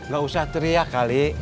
gak usah teriak kali